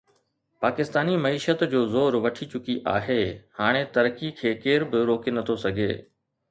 پاڪستاني معيشت جو زور وٺي چڪي آهي هاڻي ترقي کي ڪير به روڪي نٿو سگهي